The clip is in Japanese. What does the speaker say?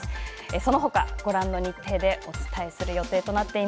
そのほか、ご覧の日程でお伝えする予定です。